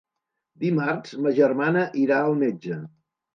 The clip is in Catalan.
Dimarts ma germana irà al metge.